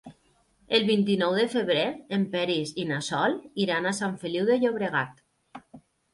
El vint-i-nou de febrer en Peris i na Sol iran a Sant Feliu de Llobregat.